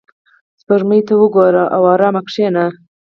• سپوږمۍ ته وګوره او آرامه کښېنه.